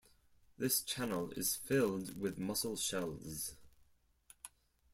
This channel is filled with mussel shells.